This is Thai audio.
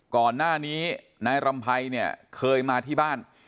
ก่อนหน้านี้นายรำไพรเนี่ยเคยมาที่บ้าน